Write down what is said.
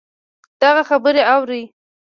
دغـه خبـرې اورې